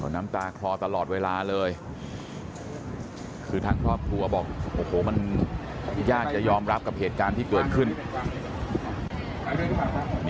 น้ำตาคลอตลอดเวลาเลยคือทางครอบครัวบอกโอ้โหมันยากจะยอมรับกับเหตุการณ์ที่เกิดขึ้น